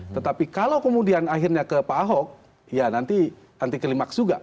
tetapi kalau kemudian akhirnya ke pak ahok ya nanti anti klimaks juga